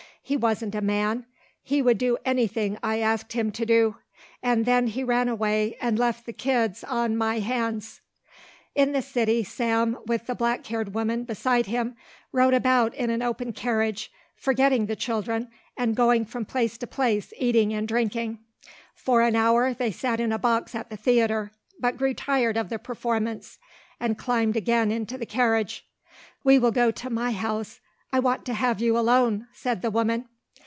He wasn't a man. He would do anything I asked him to do. And then he ran away and left the kids on my hands." In the city Sam, with the black haired woman beside him, rode about in an open carriage, forgetting the children and going from place to place, eating and drinking. For an hour they sat in a box at the theatre, but grew tired of the performance and climbed again into the carriage. "We will go to my house. I want to have you alone," said the woman.